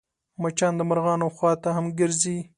مچان د مرغانو خوا ته هم ګرځي